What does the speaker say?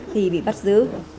thì bị bắt giữ